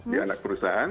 ya anak perusahaan